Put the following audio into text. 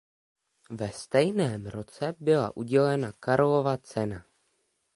Ve stejném roce mu byla udělena Karlova cena.